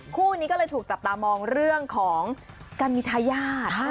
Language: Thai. คู่นี้ก็เลยถูกจับตามองเรื่องของการมีทายาท